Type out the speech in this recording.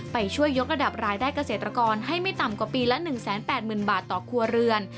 ไปช่วยยกระดับรายได้เกษตรกรให้ไม่ต่ำกว่าปีละ๑๘๐๐๐บาทต่อครัวเรือน